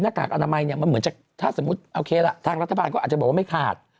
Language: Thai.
กากอนามัยเนี่ยมันเหมือนจะถ้าสมมุติโอเคล่ะทางรัฐบาลก็อาจจะบอกว่าไม่ขาด